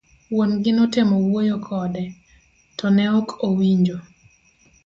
Wuon gi notemo wuoyo kode ,to ne ok owinjo.